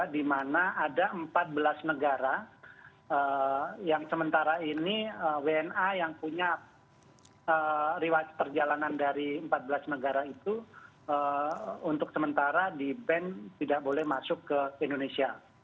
di mana ada empat belas negara yang sementara ini wna yang punya riwayat perjalanan dari empat belas negara itu untuk sementara di band tidak boleh masuk ke indonesia